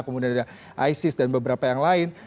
kemudian ada isis dan beberapa yang lain